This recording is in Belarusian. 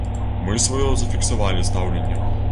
Мы сваё зафіксавалі стаўленне.